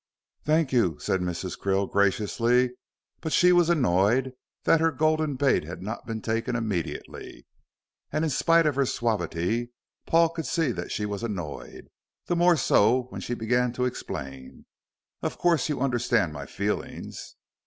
"Thank you," said Mrs. Krill, graciously. But she was annoyed that her golden bait had not been taken immediately, and, in spite of her suavity, Paul could see that she was annoyed, the more so when she began to explain. "Of course you understand my feelings."